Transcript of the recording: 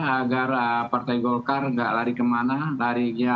agar partai golkar gak lari kemana larinya